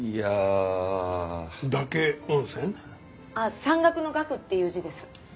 山岳の「岳」っていう字です。